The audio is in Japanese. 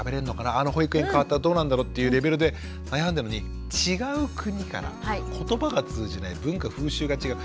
あの保育園かわったらどうなんだろう？っていうレベルで悩んでるのに違う国から言葉が通じない文化風習が違う。